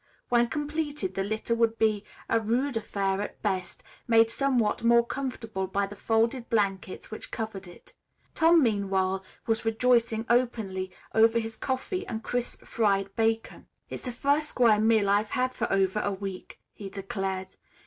When completed, the litter would be a rude affair at best, made somewhat more comfortable by the folded blankets which covered it. Tom, meanwhile, was rejoicing openly over his coffee and crisp fried bacon. "It's the first square meal I've had for over a week," he declared.